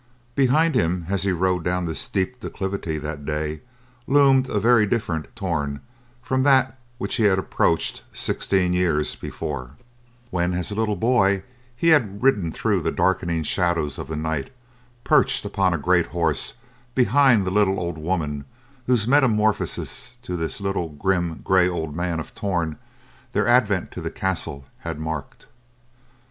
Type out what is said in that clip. Behind him, as he rode down the steep declivity that day, loomed a very different Torn from that which he had approached sixteen years before, when, as a little boy he had ridden through the darkening shadows of the night, perched upon a great horse behind the little old woman, whose metamorphosis to the little grim, gray, old man of Torn their advent to the castle had marked.